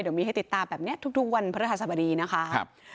เดี๋ยวมีให้ติดตามแบบนี้ทุกวันพระฤหัสบดีนะคะ